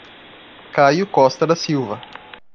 Caio Costa da Silva